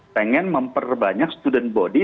pengen memperbanyak student body